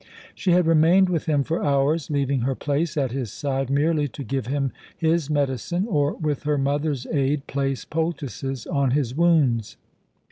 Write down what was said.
She had remained with him for hours, leaving her place at his side merely to give him his medicine, or, with her mother's aid, place poultices on his wounds.